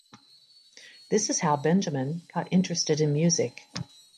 This is how benjamin got interested in music.